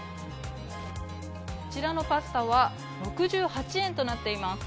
こちらのパスタは６８円となっています。